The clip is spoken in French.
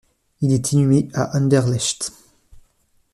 Il est inhumé à Anderlecht.